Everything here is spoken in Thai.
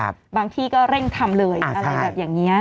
บางที่ก็เร่งทำเลยอะไรแบบอย่างนี้